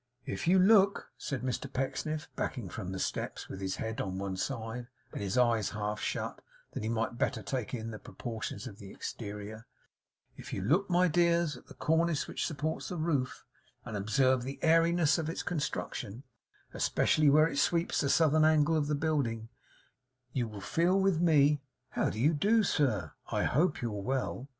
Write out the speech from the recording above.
'If you look,' said Mr Pecksniff, backing from the steps, with his head on one side and his eyes half shut that he might the better take in the proportions of the exterior: 'If you look, my dears, at the cornice which supports the roof, and observe the airiness of its construction, especially where it sweeps the southern angle of the building, you will feel with me How do you do, sir? I hope you're well?